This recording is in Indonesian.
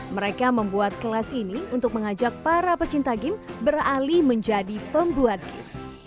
mereka membuat kelas ini untuk mengajak para pecinta game beralih menjadi pembuat game